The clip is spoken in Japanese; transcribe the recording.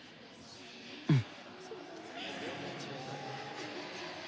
うん！